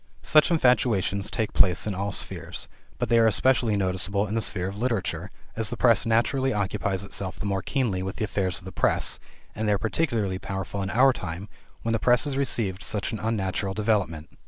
Such infatuations take place in all spheres, but they are especially noticeable in the sphere of literature, as the press naturally occupies itself the more keenly with the affairs of the press, and they are particularly powerful in our time when the press has received such an unnatural development.